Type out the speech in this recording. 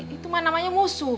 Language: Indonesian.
itu mah namanya musuh